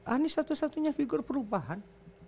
anies satu satunya figur perubahan